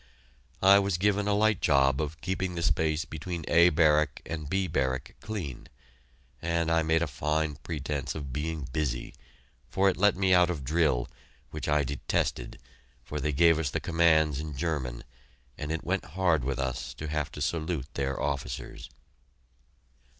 I was given a light job of keeping the space between A Barrack and B Barrack clean, and I made a fine pretense of being busy, for it let me out of "drill," which I detested, for they gave the commands in German, and it went hard with us to have to salute their officers.